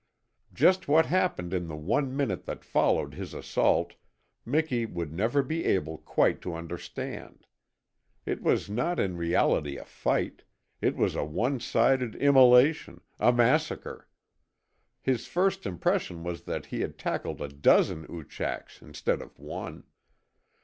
Just what happened in the one minute that followed his assault Miki would never be able quite to understand. It was not in reality a fight; it was a one sided immolation, a massacre. His first impression was that he had tackled a dozen Oochaks instead of one.